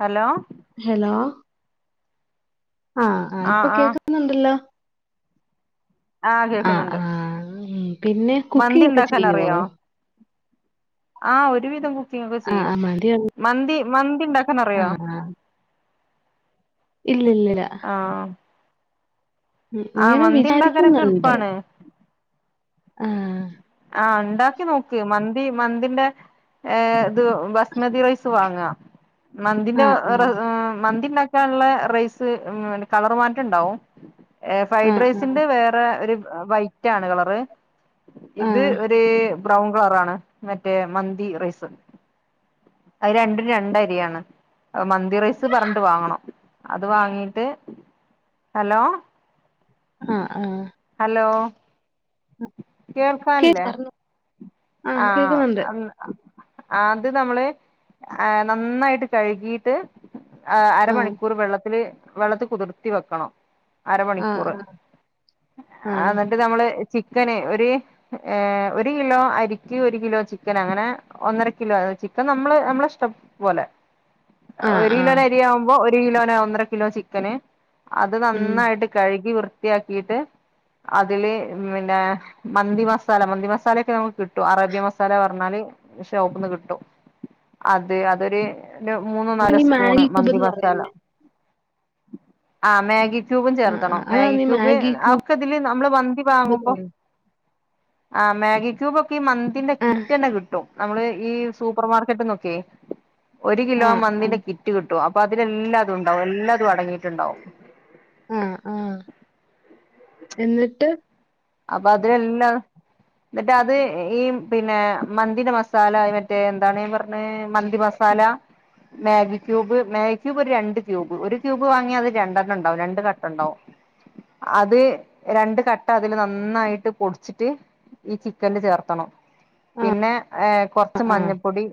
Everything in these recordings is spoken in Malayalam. ഹലോ ഹലോ ആഹ് ആഹ് ഇപ്പൊ കേക്കുന്നുണ്ടല്ലോ ആഹ് ആഹ് പിന്നെ മന്തി കുക്കിംഗ് ഒക്കെ ഉണ്ടാക്കാൻ ചെയ്യോ അറിയോ ആഹ് ഒരുവിധം കുക്കിംഗ് ഒക്കെ ആഹ് ചെയ്യും ആഹ് മടിയാണ് മന്തി മന്തി ണ്ടാക്കാൻ അറിയോ ആഹ് ഇല്ല ഇല്ലില്ല ആഹ് ഉ ആഹ് ഇങ്ങനെ മന്തി ഉണ്ടാക്കാനൊക്കെ വിചാരിക്കുന്നുണ്ട് എളുപ്പാണ് ആഹ് ആഹ് ണ്ടാക്കി നോക്ക് മന്തി മന്തിന്റെ ഏ ത് ബസ്മതി റൈസ് വാങ്ങ മന്തിന്റെ ആഹ് റെ ആഹ് ഉം മന്തി ണ്ടാ ക്കാൻള്ളെ റെയ്സ് ഉം കളർ മാറ്റണ്ടാവും എ ആഹ് ഫ്രയ്ട്രയ്സ്ൻ്റെ വേറെ വേറെ ഒരു വൈറ്റ് ആണ് കളറ് ആഹ് ഇത് ആഹ് ഒര് ബ്രൗൺ കളറാണ് മറ്റേ മന്തി റൈസ് അയ് രണ്ടും രണ്ടരിയാണ് അ മന്തി റൈസ് പറഞ്ഞിട്ട് വാങ്ങണം അത് വാങ്ങിട്ട് ഹലോ ആഹ് ആഹ് ഹലോ കേ കേൾക്കാൻല്ലേ പറഞ്ഞോ ആഹ് ന്ന് ആത് നമ്മള് ആ നന്നായിട്ട് കഴുകിട്ട് ആ ആഹ് അരമണിക്കൂർ വെള്ളത്തില് വെള്ളത്തി കുതിർത്തി വെക്കണം അരമണിക്കൂറ് ആഹ് ആഹ് അന്നിട്ട് അന്നിട്ട് നമ്മള് ചിക്കന് ഒര് ഏ ഒരു കിലോ അരി ഒരു കിലോ ചിക്കൻ അങ്ങനെ ഒന്നര കിലോ ചിക്കൻ നമ്മളെ നമ്മളെ ഇഷ്ടം പോലെ ആഹ് ആഹ് ഒരു ആഹ് കിലോനരിയാവുമ്പോ ഒരു കിലോന ഒന്നര കിലോ ചിക്കന് അത് ഉം നന്നായിട്ട് കഴുകി വൃത്തിയാക്കിയിട്ട് അതില് പിന്നെ മന്തി മസാല മന്തി മസാലൊക്കെ നമുക്ക് കിട്ടും കിട്ടു അറേബ്യ മസാല പറഞ്ഞാല് ഷോപ്പ്ന്ന് കിട്ടും അത് അതൊരു അതൊരു മൂന്നോ അപ്പൊ നാലോ ഈ സ്പൂണ് മാഗി ക്യൂബ് മന്തി എന്ന് മസാല പറയുന്നേ ആഹ മാഗി ക്യൂബും ആഹ് ആഹ് ചേർത്തണം അതാ മാഗി നീ ക്യൂബ് അക്കെതില് നമ്മള് വന്തി എന്ന് വാങ്ങുമ്പോ പറയുന്നേ ആ മാഗി ക്യൂബ ഒക്കെ ഈ മന്തിന്റെ ആഹ് കിറ്റന്നെ കിട്ടും നമ്മള് ഈ സൂപ്പർ മാർക്കറ്റ് നോക്കെ ഒരു കിലോ ആഹ് ആഹ് മന്തിന്റെ കിറ്റ് കിട്ടു ആ അപ്പൊ അതിലെല്ലാതും ഉണ്ടാവും എല്ലാതും അടങ്ങിയിട്ടുണ്ടാവും ആഹ് ആഹ് എന്നിട്ട് അപ്പൊ അതെല്ലാ ന്ന്ട്ടത് ഈ പിന്നെ മന്തിന്റെ മസാല മറ്റേ എന്താണ് പറഞ്ഞെ മന്തി മസ് മസാല മാഗി ക്യൂബ് മാഗി ക്യൂബ് ഒരു രണ്ട് ക്യൂബ് ഒരു ക്യൂബ് വാങ്ങിയാ അത് രണ്ടെണ്ണംണ്ടാവും രണ്ട് കട്ടണ്ടാവും അത് രണ്ട് കട്ടാക്കും ഇതില് നന്നായിട്ട് പൊട്ച്ചിട്ട് ഈ ചിക്കൻല് ചേർത്തണം ആഹ് പിന്നെ കൊറച്ച് ആഹ് മഞ്ഞപ്പൊടി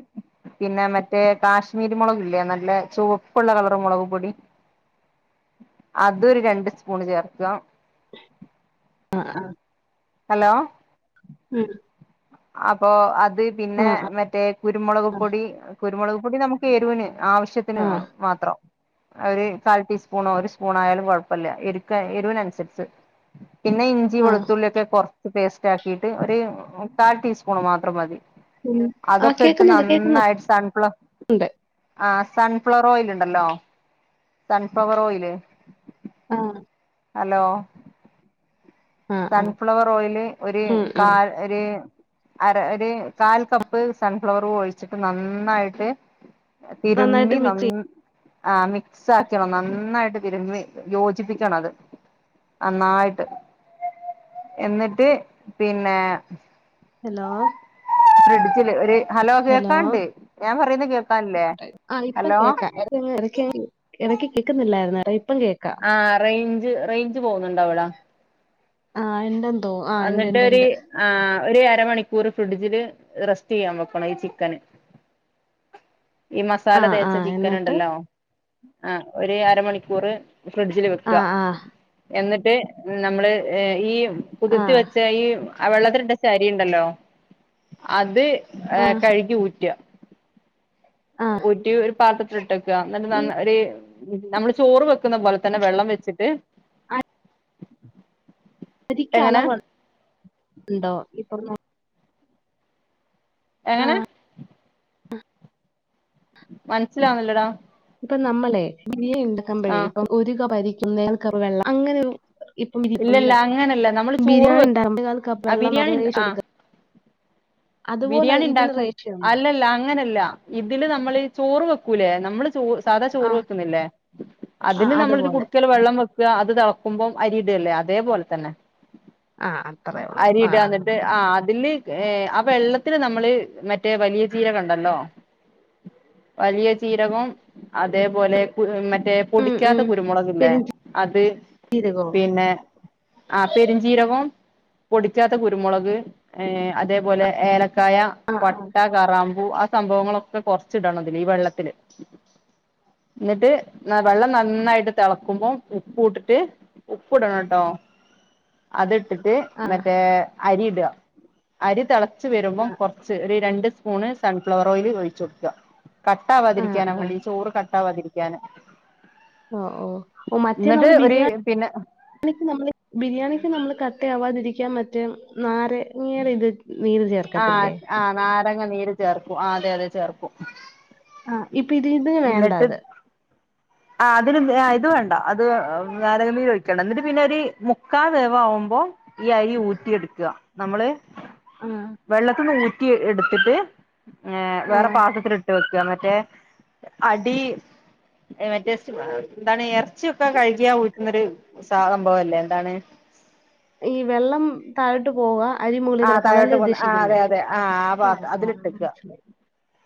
പിന്നെ മറ്റേ കാശ്മീരി മുളക് ഇല്ലേ നല്ല ചുവപ്പുള്ള കളർ മുളക് പൊടി അതൊര് രണ്ട് സ്പൂൺ ചേർക്കാ ആഹ് ആഹ് ഹലോ ഉം അപ്പൊ അത് പിന്നെ ആഹ് ആഹ് മറ്റേ കുരുമുളക് പൊടി കുരുമുളക് പൊടി നമു എരൂന് ആ. ആവശ്യത്തിന് മാത്രം ഒരു കാൽ ടീസ്പൂണോ ഒരു സ്പൂണോ ആയാലും കൊഴപ്പല്ല എരുക്ക് എരൂനൻസര്ച്ച് പിന്നെ ഇ ഇഞ്ചി ആ. വെളുത്തുള്ളി ഒക്കെ കൊറച്ച് പേസ്റ്റാക്കീട്ട് ഒരു മുക്കാൽ ടീസ്പൂണ് മാത്രം മതി ഉം. ആ അതൊക്കെ ഇട്ട് കേക്കുന്നുണ്ട്, കേക്കുന്നുണ്ട്. നന്നായിട്ട് സൻഫ്ല ആഹ് സൺഫ്ലവറോയ്ല്ണ്ടല്ലോ സൺഫ്ലവർ ഓയില് ആഹ് ഹലോ ആ, ആ. സൺഫ്ലവർ ഓയില് ഒര് ഉം, ഉം. കാൽ ഒര് അര ഒര് കാൽ കപ്പ് സൺഫ്ലവറും ഒഴിച്ചിട്ട് നന്നായിട്ട് തിരുമ്മി നന്നായിട്ട് ന മിക്സ് ചെയ്യും. ആഹ് മിക്സ് ആക്കണം നന്നായിട്ട് തിരുമ്മി യോജിപ്പിക്കണം അത് നന്നായിട്ട് എന്നിട്ട് പിന്നെ ഹലോ ഫ്രിഡ്ജില് ഒരു ഹലോ കേക്കാണ്ട് ഞാൻ പറയുന്ന കേക്കാല്ലേ ഹലോ എടക്ക് അങ്ങ് എടക്ക് എടക്ക് കേൾക്കുന്നില്ലായിരുന്ന് ഇപ്പം കേക്കം ആഹ് റൈഞ്ച് റൈഞ്ച് പോകുന്നുണ്ടവട ആഹ് ഇണ്ടെന്ന് തോ എന്നിട്ടൊര് ആ ഒര് അരമണിക്കൂർ ഫ്രിഡ്ജില് റെസ്റ്റ്യ്യാൻ വെക്കണം ഈ ചിക്കന് [inaudible] ഈ ആ, മസാല ആ. തേച്ച എന്നിട്ട്? ചിക്കന്ണ്ടല്ലോ അ ഒര് അരമണിക്കൂറ് ഫ്രിഡ്ജില് ആ, വെക്കാ ആ. എന്നിട്ട് നമ്മള് ഈ ആ, കുതിർത്തി വെച്ച ഈ വെള്ളത്തില്ട്ടച്ച അരിണ്ടല്ലൊ അത് ആ, ഏഹ് കഴുകി ഊറ്റ ആ. ന്ന്ട്ടീ ഒരു പാത്രത്തില ഇട്ടേക്ക ഇന്ന്ട്ട് ഈ നന്നാരീ നമ്മള് ചോറ് വെക്ക്ന്ന പോലെ തന്നെ വെള്ളം വെച്ചിട്ട് ശരിക്ക എങ്ങനെ അളവ് ഉണ്ടോ ഇപ്പ ന എങ്ങനെ ആഹ് മനസ്സിലാവുന്നില്ലടാ ഇപ്പൊ നമ്മളെ നിയ ആ ഇണ്ടാക്ക്മ്പഴെ ഇപ്പൊ ഒരു കപ് അരിക്കും നേൽക്കപ് വെള്ളം അങ്ങനെ ഇപ്പം ബിരി- ഇല്ലല്ല ഒന്ന് അങ്ങനല്ല നമ്മള് ചോറ് ബിരിയാണി വെക്ക് ഉണ്ടാക്കുമ്പോ കപ്പ് ആഹ് വെള്ളം ബിരിയാണി റേഷ്യോ ഇണ്ടാ എടുക്കുന്നത്. ആഹ് അതുപോലെ ബിരിയാണി ഇതിന് ഇണ്ടാക്കും റേഷ്യോ ഉണ്ടോ? അല്ലല്ല അങ്ങനല്ല ഇതില് നമ്മള് ചോറ് വെക്കൂലേ നമ്മള് സാധാ ആ ചോറ് വെക്ക്ന്നില്ലെ ആ അതിന് നമ്മളൊര് അതുപോലെ. കുട്ക്കേല് വെള്ളം വെക്ക അത് തെളക്കുമ്പം അരി അതേപോല തന്നെ ആ അത്രേ ഉള്ളൂ. ആ അരിട ആ. ഇന്ന്ട്ട് ആഹ് അതില് ഏഹ് അ വെള്ളത്തില് നമ്മള് മറ്റേ വലിയ ചീരകണ്ടല്ലോ വലിയ ചീരകവും അതേപോലെ മറ്റേ ഉം പൊടിക്കാത്ത കുരുമുളക്ല്ലേ അത് ചീരകോ പിന്നെ ആ പെരിഞ്ചീരവും പൊടിക്കാത്ത കുരുമുളക് ഏ അതേപോലെ ഏലക്കായ ആ ആ പട്ട കറാമ്പൂ ആ സംഭവങ്ങളൊക്കെ കൊറച്ചിടണം ഇതില് ഈ വെള്ളത്തില് എന്നിട്ട് വെള്ളം നന്നായിട്ട് തിളക്കുമ്പോം ഉപ്പ ഇട്ടിട്ട് ഉപ്പ് ഇടണം കേട്ടോ അത് ഇട്ടിട്ട് ആ മറ്റേ അരി ഇടുക അരി തിളച്ചു ആ വരുമ്പം കൊറച്ച് ഒരു രണ്ട് സ്പൂണ് സൺഫ്ലവർ ഓയിൽ ഒഴിച്ച കൊടുക്കുക ആ കട്ട്ാവാതിരിക്കാനാ ആ. വേണ്ടി ചോറ് കട്ടാവാതിരിക്കാന് ഓ ഓ. എന്നിട്ട് ഒരു ബിരിയാണി പിന്നെ രി നമ്മള് ബിരിയാണിക്ക് നമ്മള് കട്ട ആവാതിരിക്കാൻ മറ്റേ നാരങ്ങയുടെ ഇത് നീര് ചേർ ആഹാ ആഹാ നാരങ്ങ നീര് ചേർക്കും അതെ അതെ ചേർക്കും ആഹസ് ഇപ്പ ഇതി ഇതി വേണ്ട അത് ആഹാ അതിന് ഇത് വേണ്ട അത് നാരങ്ങ നീര് ഒഴിക്കണ്ട എന്നിട്ട് പിന്നെ ഒരു മുക്കാ വേവ ആവുമ്പോ ഈ അരി ഊറ്റിയെടുക്കുക നമ്മള് ആഹാ വെള്ളത്തിന്ന് ഊറ്റി എടുത്തിട്ട് ഏ വേറെ ആ. പാത്രത്തി ഇട്ട് വെക്കുക മറ്റേ അടി മറ്റേറ്റ് എന്താണ് ഇറച്ചിയൊക്കെ കഴുകിയാ ഊറ്റുന്നൊരു സംഭവല്ലേ എന്താണ് ഈ വെള്ളം താഴോട്ട് പോവ അരിമുകളിൽ ആഹ് കിടക്ക താഴോട്ട് അതല്ലേ പോന്ന ആഹ് ഉദ്ദേശിക്കുന്നേ അതെ അതെ ആഹ് ആഹാ ആഹാ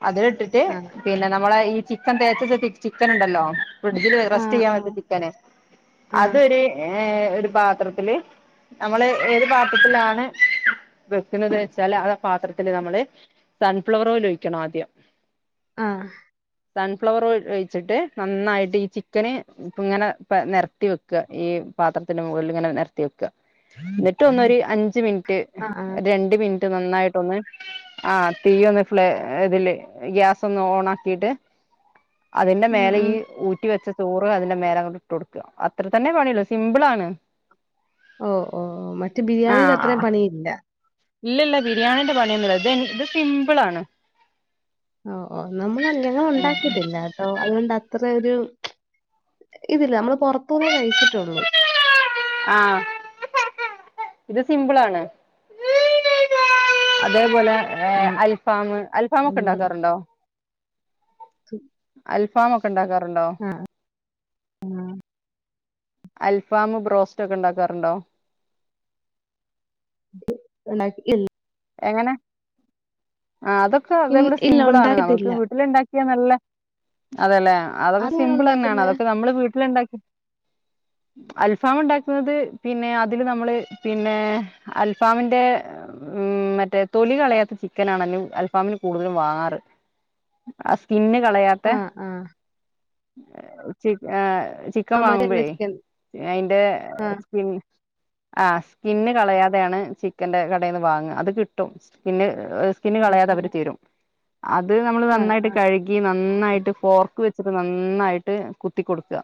അത് ഇട്ടിട്ട് പിന്നെ നമ്മളെ ഈ ചിക്കൻ തേച്ച ചിക്കൻ ഉണ്ടല്ലോ ഫ്രിഡ്ജില് ആ റസ്റ്റ് ചെയ്യാൻ ആ വെച്ച ചിക്കന് ആ അതൊരു ഏ ഒരു പാത്രത്തില് നമ്മള് ഏത് ത്തിലാണ് വെക്കുന്നത് വെച്ചാല് ആത് പാത്രത്തില് നമ്മള് സൺഫ്ലവറോലോഴിക്കണം ആദ്യം ആഹാ സൺഫ്ലവർ ഒഴിച്ചിട്ട് നന്നായിട്ട് ഈ ചിക്കന് ഇപ്പ ഇങ്ങനെ ഇപ്പനെരത്തി വെക്ക ഈ പാത്രത്തിന്റെ മുകളിൽ ഇങ്ങനെ നെരത്തിവെക്കാ ന്നിട്ട് ഒന്ന് ഒരു അഞ്ച് മിനിറ്റ് രണ്ട് മിനിറ്റ് നന്നായിട്ടൊന്ന് ആഹാ തീ ഒന്ന് ഫ്ലെ ഇതില് ഗ്യാസ ഒന്ന് ഓൺ ആക്കിട്ട് അതിന്റെ ആ മേലെ ആ. ഈ ഊറ്റി വെച്ച ചോറ് അതിന്റെ മേല അ ഇട്ട് കൊടുക്ക അത്ര തന്നെ പണിയുള്ളൂ സിമ്പിൾ ആണ് ഓ ഓ ഓ മറ്റേ ബിരിയാണിയിടത്രെയും പണിയില്ല ഇല്ല ഇല്ല ബിരിയാണിന്റെ പണിയൊന്ന ഇത് ഇത് സിമ്പിൾ ആണ് ഓ ഓ നമ്മൾ ഞങ്ങ ഉണ്ടാക്കിയിട്ടില്ല അതുകൊണ്ട് അത്രൊ ഒരു ഇതില്ല നമ്മള് പുറത്തൂന്നേ കഴിച്ചിട്ടുള്ളൂ ആഹാ ഇത് സിമ്പിൾ ആാണ് അതേപോലെ ഉം. അൽഫാമ് അൽഫമ ഒക്കെ മ്മ്. ഉണ്ടാക്കാറുണ്ടോ അൽഫ ഫാമ ഒക്കെ ഉണ്ടാക്കാറുണ്ടോ അൽഫാമ് ബ്രോസ്റ്റ് ഒക്കെ ഉണ്ടാക്കാറുണ്ടോ ഉണ്ടാക്കിട്ടി ഇല്ല എങ്ങനെ ആഹാ അതൊ ക്കേ ഇൻ- അതേപോലെ ഇല്ല സിമ്പിൾ ആണ് നമ്മുക്ക് ഉണ്ടാക്കിയിട്ടില്ല. വീട്ടില ഉണ്ടാക്കിയാ നല്ല അതെല്ലെ അതൊക്കെ അതെങ്ങനാ സിമ്പിൾ തന്നെയാണ് ഉണ്ടാക്കുന്നേ? അതൊക്കെ നമ്മള് വീട്ടിലുണ്ടാക്കി [inaudible] അൽഫാം ഉണ്ടാക്കുന്നത് പിന്നെ അതില് നമ്മള് പിന്നെ അൽഫാമിന്റെ ഉം മറ്റേ തൊലി കളയാത്ത ചിക്കനാണ് അയിന് അൽഫാമിന് കൂടുതലും വാങ്ങാറ് ആഹ് സ്കിന്ന് കളയാത്തെ ആഹ്. ആഹ്. ചിക്ക ഏഹ് ചിക്കൻ ആ മറ്റേല്ല വാങ്ങുമ്പോഴേ ചിക്കൻ. അയിന്റെ സ്കി ആഹ് സ്കിന്ന് കളയാതെയാണ് ചിക്കന്റെ കടയിന്ന് വാങ്ങ അത് കിട്ടും സ്കിന്ന് സ്കിന്ന് ആഹ്. കളയാതെ അവര് തരും അത് നമ്മള് ആഹ്. നന്നായിട്ട് കഴ്കി കി നന്നായിട്ട് ഫോർക്ക് വെച്ചിട്ട് നന്നായിട്ട് കുത്തി കൊടുക്കുക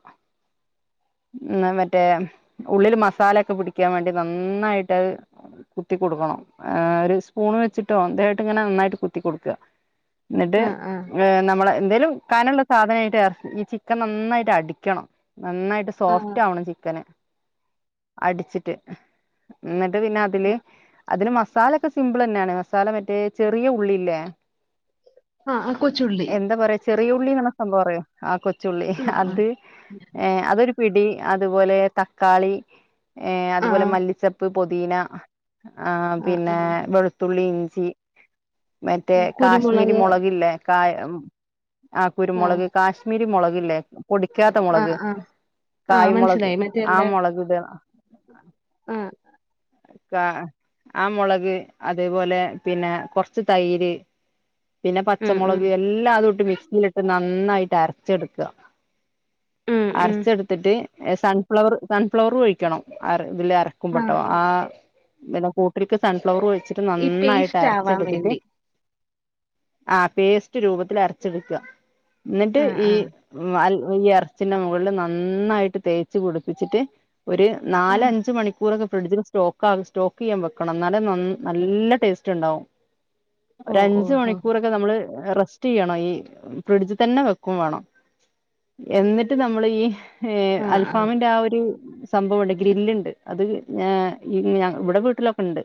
ഉം മറ്റേ ഉള്ളില് മസാല ഒക്കെ പുടിക്കാൻ വേണ്ടി നന്നായിട്ടത് കുത്തി കൊടുക്കണം ആ ഒര് സ്പൂണ് വെച്ചിട്ടോ എന്തായിട്ട് ഇങ്ങനെ നന്നായിട്ട് കുത്തി കൊടുക്കാ ന്നിട്ട് ആഹ്. ആഹ്. ഏ നമ്മളെ എന്തേലും കനള്ളത് സാധനായിട്ട് ഈ ചിക്കൻ നന്നായിട്ട് അടിക്കണം നന്നായിട്ട് ആഹ്. സോഫ്റ്റാവണം ചിക്കന് അടിച്ചിട്ട് ന്നിട്ട് പിന്നെ അതില് ആഹ്. അതിന് മസ് മസാലക്കെ സിമ്പിളെന്നെണ് മസാല മറ്റേ ചെറിയ ഉള്ളില്ലേ ആഹ്. ആ കൊച്ചുള്ളി. എന്താ പറയാ ചെറിയ ഉള്ളിന്ന് പറഞ്ഞ സംഭവം അറിയോ ആഹ് കൊച്ചുള്ളി ആഹ്. ആഹ്. അത് ഏഹ് അതൊരു പിടി അതുപോലെ തക്കാളി ഏഹ് അതുപോലെ ആഹ്. മല്ലിച്ചപ്പ് പൊദീന ആഹ് പിന്നെ വെളു ത്തുള്ളി ഇഞ്ചി മറ്റേ ആഹ്. കാശ്മീരി കുരുമുളക്. മുളകില്ലേ കായ ആഹ് കുരുമൊളക് കാശ്മീരി മൊളകില്ലേ പൊടിക്കാത്ത മൊളക് ആഹ്. ആഹ്. ആഹ്. കായ്മൊളക് മനസ്സിലായി. മറ്റേല്ല ആഹ് മൊളക് ഇടാ ആഹ് കാ ആഹ് മൊളക് അതേപോലെ പിന്നെ കൊറച്ച് തൈര് പിന്നെ ഉം. ഉം. പച്ചമൊളക് എല്ലാതുട്ട് മിക്സിയിലിട്ട് നന്നായിട്ട് അരച്ചെടുക്ക. ഉം. ഉം. അരച്ചെടുത്തിട്ട് സൺഫ്ലവർ സൺഫ്ലവറും ഒഴിക്കണം അര ഇതില് അരക്കുമ്പോട്ടോ. ആഹ് എല്ലാം കൂട്ടിക്ക് സൺഫ്ലവർ ഒഴി ച്ചിട്ട് ഈ നന്നായിട്ട് പേസ്റ്റ് ആവാൻ അരച്ചെടുത്തിട്ട് വേണ്ടി. ആഹ് പേസ്റ്റ് രൂപത്തില് അരച്ചെടുക്ക ന്നിട്ട് ആഹ്. ഈ ആഹ്. ഉം അൽ ഈ എറച്ചിന്റെ മോളില് നന്നായിട്ട് തേച്ചു പുടിപ്പിച്ചിട്ട് ഒര് ആഹ്. നാലഞ്ച് മണിക്കൂറൊക്കെ ഫ്രിഡ്ജില് സ്റ്റോക്ക് ആ സ്റ്റോക്കിയ്യാൻ വെക്കണം ന്നാലെ നന്ന നല്ല ടേസ്റ്റ് ഉണ്ടാവും. ഓ ഒരഞ്ച് ഓഹോ! മണിക്കൂറൊക്കെ നമ്മള് റസ് റ്റിയ്യണം ഈ ഫ്രിഡ്ജിതന്നെ വെക്കും വാണം എന്നിട്ട് നമ്മള് ഈ ഏഹ് ആ, ആ. അൽഫാമിന്റെ ആഹ് ഒരു സംഭവണ്ട് ഗ്രില്ല്ണ്ട് അത് ഏഹ് ഇവടെ വീട്ടിലൊക്കെണ്ട്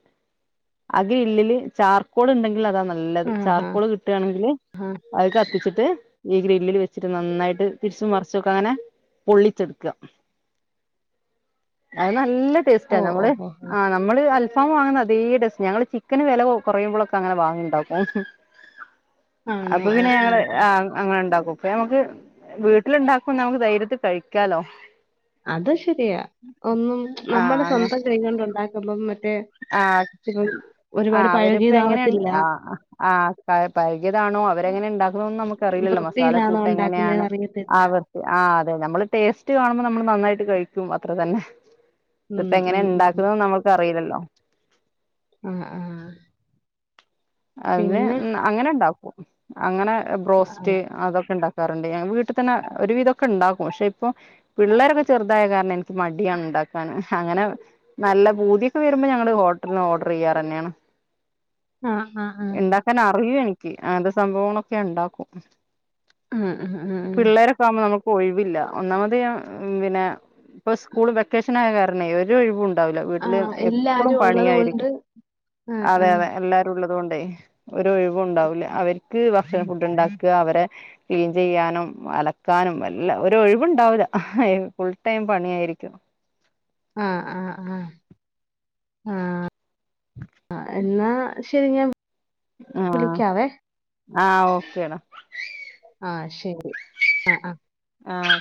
അതി ഗ്രില്ലില് ചാർക്കോള്ണ്ടെങ്കിൽ അതാ ന നല്ലത് ആഹാ! ചാർകോള് കിട്ടാണെങ്കില് ഹാ! അഹ് കത്തിച്ചിട്ട് ഈ ഗ്രില്ലില് വെച്ചിട്ട് നന്നായിട്ട് തിരിച്ചും മറിച്ചൊക്കെ അങ്ങനെ പൊള്ളിച്ചെടുക്ക. അത് നല്ല ടേസ്റ്റ ഹാ ഓ നമ്മള് ഓഹോഹോ! ആഹ് മ്മള് അൽഫാം വാങ്ങ്ന്ന അതേ ടേസ്റ്റ് ഞങ്ങള് ചിക്കന് വെല കൊ കൊറയുമ്പൊളൊക്കെ അങ്ങനെ വാങ്ങിണ്ടാകും. ആണോ? അപ്പൊ ആ, പിന്നെ ആ. ഞങ്ങള് ആഹ് അങ്ങനെണ്ടാക്കും അപ്പൊ നമ്മക്ക് വീട്ടില്ണ്ടാക്കു നമ്മക്ക് ധൈര്യത്തി കഴിക്കാലോ. അത് ശരിയാ ഒന്നും ആ നമ്മടെ സ്വന്തം കൈകൊണ്ട് ഉണ്ടാക്കുമ്പം മറ്റേ ആഹ് ഇപ്പം ഒരുപാട് ആഹ് അവരിപ്പങ്ങനെണ്ട് പഴകിയതാവത്തില്ല. ആഹ് ആഹ് പയകിയതാണോ അവരെങ്ങനെണ്ടാക്കുന്നോന്നും നമ്മക്ക് അറീലല്ലോ മസാല വൃത്തിയിലാണോ കൂട്ടെങ്ങനെയാണ് ഉണ്ടാക്കുന്നേന്ന് അറിയത്തില്ല. ആഹ് ആഹ് അതെ നമ്മള് ടേസ്റ്റ് കാണുമ്പോ നമ്മള് നന്നായിട്ട് കഴിക്കും അത്രതന്നെ. ഉം, ഇതിപ്പെങ്ങനെ ഉം, ഉം. ഇണ്ടാക്കുന്നന്ന് നമ്മക്ക് അറീലല്ലോ. ആഹ് ആഹ് അത് ഉം അങ്ങനെണ്ടാക്കും അങ്ങനെ ആ, ബ്രോസ്റ്റ് അതൊക്കെണ്ടാക്കും. കാറുണ്ട് ഞാൻ വീട്ടിതന്നെ ഒരു വിധൊക്കെണ്ടാകും പക്ഷെ ഇപ്പൊ പിള്ളേരൊക്കെ ചെറുതായ കാരണം എനിക്ക് മടിയാണ് ണ്ടാക്കാന് അങ്ങനെ നല്ല പൂതിയൊക്കെ വരുമ്പോ ഞങ്ങള് ഹോട്ടലിൽന്ന് ഓർഡർ ചെയ്യാറെന്നെണ്. ആഹ് ആഹ് ഇണ്ടാക്കാൻ അറിയു എനിക്ക് അങ്ങനത്തെ സംഭവങ്ങളൊക്കെ ഞാൻ ഇണ്ടാക്കും മ്മ് മ്മ് മ്മ് പ്പാമ്പോ നമക്ക് ഒഴിവില്ല ഒന്നാമത് ഞാൻ പിന്നേ ഇപ്പൊ സ്കൂള് വെക്കേഷനായ കാരണേ ഒരു ഒഴിവു ണ്ടാവൂല ആ, ആ, വീട്ടില് എപ്പളു എല്ലാരും ഉള്ളത് കൊണ്ട് പണിയായിരിക്കും ആ, ആ. അതെ അതെ എല്ലാര ട്ടുള്ളത് കൊണ്ടേ ഒരു ഒഴിവും ഉണ്ടാവൂല്ല അവർക്ക് ഭക്ഷണ ഫുഡ് ഉണ്ടാക്ക അവരെ ക്ലീൻ ചെയ്യാനും അലക്കാനും എല്ലാം ഒര് ഒഴിവ്ണ്ടാവൂല. ഫുൾ ടൈം പണിയായിരിക്കും ആഹ് ആഹ് ആഹ് ആഹ് എന്നാ ശ- - ശരിഞാൻ ആഹ് ആഹ് ഓക്കേടാ ആഹ് ശരി ആഹ് ആഹ് ആഹ്